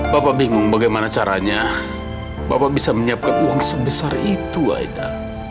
bapak bingung bagaimana caranya bapak bisa menyiapkan uang sebesar itu aida